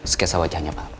sekesa wajahnya pak